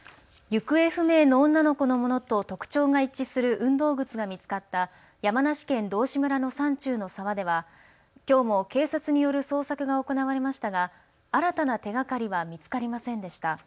行方不明の女の子のものと特徴が一致する運動靴が見つかった山梨県道志村の山中の沢ではきょうも警察による捜索が行われましたが新たな手がかりは見つかりませんでした。